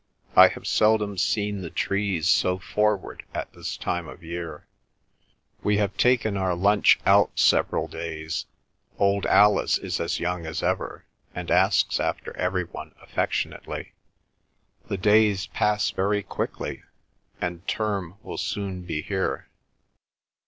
I have seldom seen the trees so forward at this time of year. We have taken our lunch out several days. Old Alice is as young as ever, and asks after every one affectionately. The days pass very quickly, and term will soon be here.